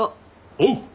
おう。